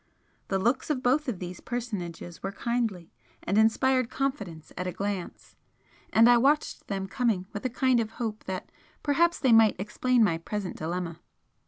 The looks of both these personages were kindly, and inspired confidence at a glance, and I watched them coming with a kind of hope that perhaps they might explain my present dilemma.